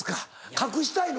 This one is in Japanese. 隠したいの？